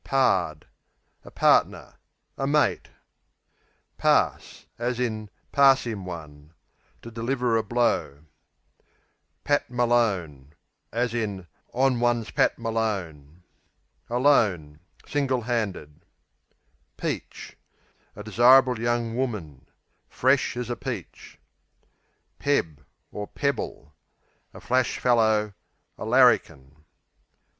Pard A partner; a mate. Pass (pass 'im one) To deliver a blow. Pat [Malone] on one's Alone; single handed. Peach A desirable young woman; "fresh as a peach." Peb (pebble) A flash fellow; a "larrikin."